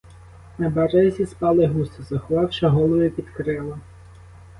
На березі спали гуси, заховавши голови під крила.